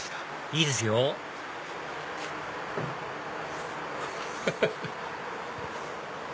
いいですよハハハ！